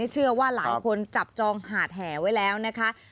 เชื่อว่าหลายคนจับจองหาดแห่ไว้แล้วนะคะ